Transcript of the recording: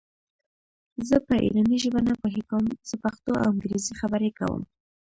زه په ایراني ژبه نه پوهېږم زه پښتو او انګرېزي خبري کوم.